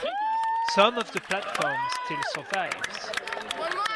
Some of the platform still survives.